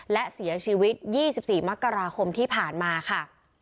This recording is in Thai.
และเสียชีวิต๒๔มกราคมที่ผ่านมาค่ะ